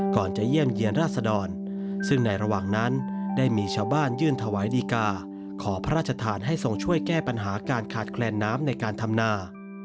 ก่อนจะเยี่ยมเยี่ยนราษดรซึ่งในระหว่างนั้นได้มีชาวบ้านยื่นถวายดีกาขอพระราชทานให้ทรงช่วยแก้ปัญหาการขาดแคลนน้ำในการทำนา